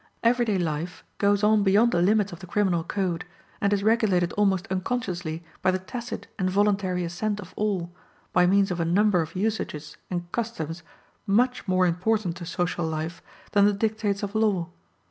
Every day life goes on beyond the limits of the criminal code, and is regulated almost unconsciously by the tacit and voluntary assent of all, by means of a number of usages and customs much more important to social life than the dictates of law.